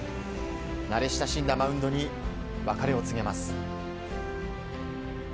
慣れ親しんだマウンドに別れを告げます。